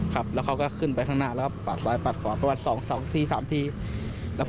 ครับเขาก็ขึ้นไปข้างหน้าแล้วก็ปาดซ้ายปาดฝอร์